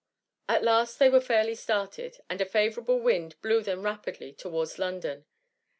At last they were fairly started, and a favourable wind blew them rapidly towards London.